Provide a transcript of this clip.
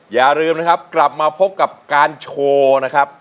อย่าลืมนะครับกลับมาพบกับการโชว์นะครับ